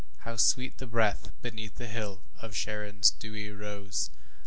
How sweet the breath beneath the hill Of Sharon's dewy rose!